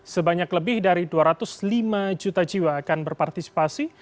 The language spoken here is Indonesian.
sebanyak lebih dari dua ratus lima juta jiwa akan berpartisipasi